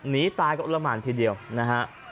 หนีตายกับอุละหมานทีเดียวนะฮะ